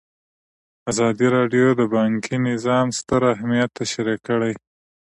ازادي راډیو د بانکي نظام ستر اهميت تشریح کړی.